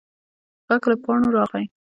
غږ له پاڼو راغی.